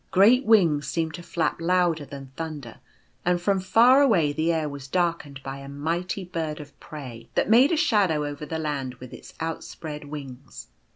Great wings seemed to flap louder than thunder ; and from far away the air was darkened by a mighty Bird of Prey that made a shadow over the land with its outspread wings.